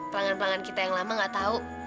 pelanggan pelanggan kita yang lama nggak tahu